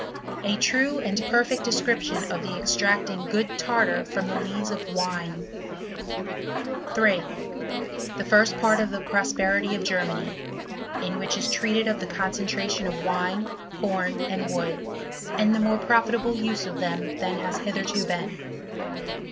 A true and perfect Description of the extracting i good Tartar from the Lees of Wine. 3. The first part of the Prosperity of Germany • in which is treated of the concentration of wine, com> and wood, and the more profitable use of them thaii has hitherto been.